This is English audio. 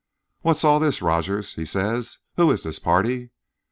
"'What's all this, Rogers?' he says. 'Who is this party?'